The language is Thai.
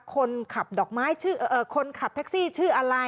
คนขับหัวแท็กซี่ชื่ออะไร